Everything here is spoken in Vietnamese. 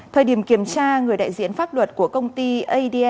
thời điểm kiểm tra người đại diện pháp luật của công an huyện thường xuân đã đặt bộ pháp luật